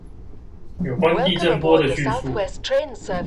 有關地震波的敘述